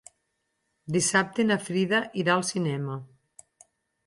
Dissabte na Frida irà al cinema.